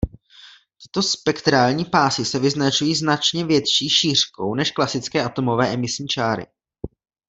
Tyto spektrální pásy se vyznačují značně větší šířkou než klasické atomové emisní čáry.